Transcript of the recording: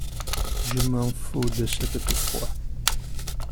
Je m’en fous de ce que tu crois.